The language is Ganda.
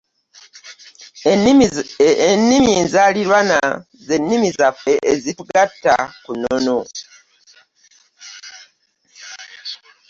Ennimi enzaaliranwa z'ennimi zaffe ezitugatta ku nnono.